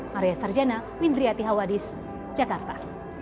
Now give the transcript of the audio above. maria sarjana windriati hawadis jakarta